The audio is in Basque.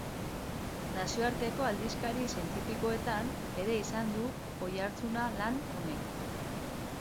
Nazioarteko aldizkari zientifikoetan ere izan du oihartzuna lan honek.